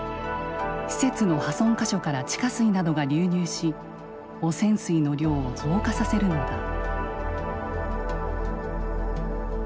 施設の破損箇所から地下水などが流入し汚染水の量を増加させるのだ。